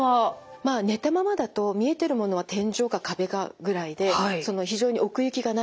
まあ寝たままだと見えてるものは天井か壁かぐらいでその非常に奥行きがないんですよね。